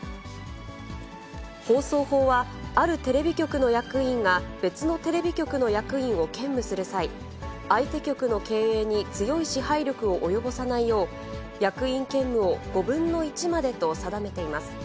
放送法は、あるテレビ局の役員が、別のテレビ局の役員を兼務する際、相手局の経営に強い支配力を及ぼさないよう、役員兼務を５分の１までと定めています。